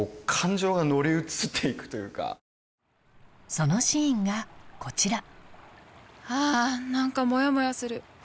そのシーンがこちらあぁ何かモヤモヤする。